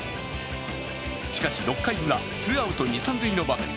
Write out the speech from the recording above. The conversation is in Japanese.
しかし、６回ウラ、ツーアウト二・三塁の場面。